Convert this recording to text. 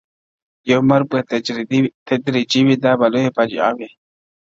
یو مرګ به تدریجي وي دا به لویه فاجعه وي،